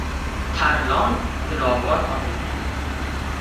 — Tarlon dilovar ot ekan!